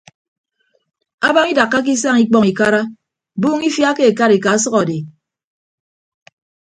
Abañ idakkake isañ ikpọñ ikara buuñ ifia ke ekarika ọsʌk adi.